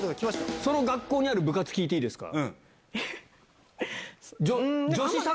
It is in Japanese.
その学校にある部活聞いていいですか？